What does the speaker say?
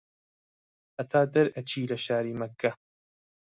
هەتا دەرئەچی لە شاری مەککە